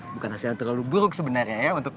bukan hasil yang terlalu buruk sebenarnya ya untuk